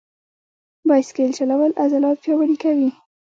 بایسکل چلول عضلات پیاوړي کوي.